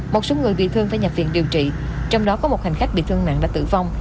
một số người bị thương phải nhập viện điều trị trong đó có một hành khách bị thương nặng đã tử vong